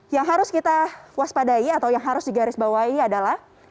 yang harus kita waspadai atau yang harus digarisbawahi adalah